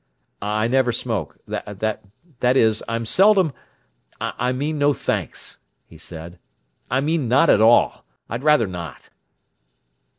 "I never smoke—that is, I'm seldom—I mean, no thanks," he said. "I mean not at all. I'd rather not."